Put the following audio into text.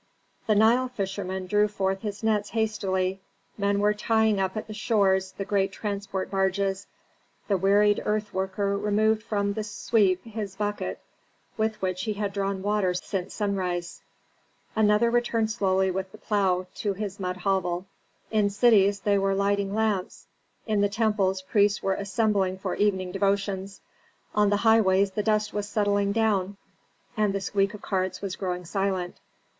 The Nile fisherman drew forth his nets hastily, men were tying up at the shores the great transport barges. The wearied earth worker removed from the sweep his bucket with which he had drawn water since sunrise; another returned slowly with the plough to his mud hovel. In cities they were lighting lamps, in the temples priests were assembling for evening devotions. On the highways the dust was settling down and the squeak of carts was growing silent.